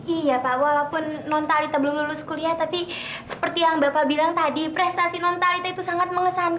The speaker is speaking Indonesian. iya pak walaupun non talita belum lulus kuliah tapi seperti yang bapak bilang tadi prestasi non talita itu sangat mengesankan